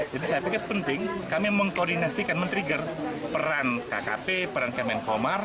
jadi saya pikir penting kami mengkoordinasikan men trigger peran kkp peran kemenkomar